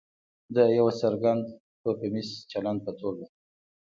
د یو څرګند توکمیز چلند په توګه.